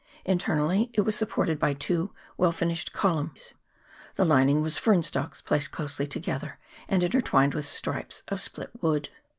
Internally it was supported by two well finished columns : the lining was fern stalks placed close together and intertwined with stripes of split wood.